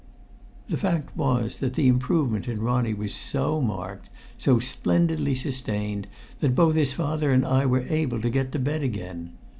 The fact was that the improvement in Ronnie was so marked, and so splendidly sustained, that both his father and I were able to get to bed again.